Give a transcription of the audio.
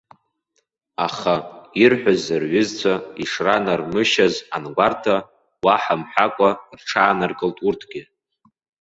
Аха, ирҳәаз рҩызцәа ишранармышьаз ангәарҭа, уаҳа мҳәакәа рҽааныркылт урҭгьы.